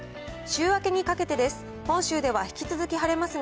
週明けにかけてです。